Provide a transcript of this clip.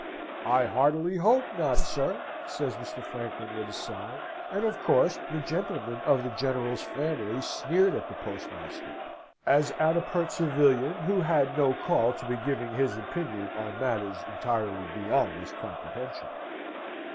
'I heartily hope not, sir,' says Mr. Franklin, with a sigh; and of course the gentlemen of the General's family sneered at the postmaster, as at a pert civilian who had no call to be giving his opinion on matters entirely beyond his comprehension.